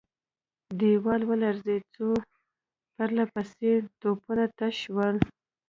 دېوال ولړزېد، څو پرله پسې توپونه تش شول.